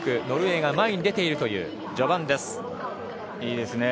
ノルウェーが前に出ている序盤。